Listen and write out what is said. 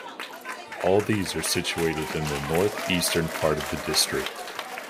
All these are situated in the north eastern part of the district.